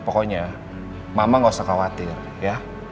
pokoknya mama gak usah khawatir ya